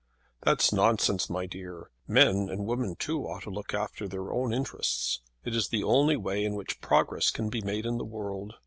"That's nonsense, my dear. Men, and women too, ought to look after their own interests. It is the only way in which progress can be made in the world.